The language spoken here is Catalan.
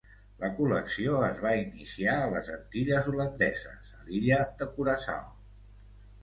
La col·lecció es va iniciar a les Antilles holandeses a l'illa de Curaçao.